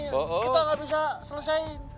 kita gak bisa selesain